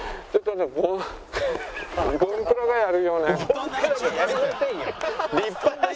ボンクラがやりませんよ。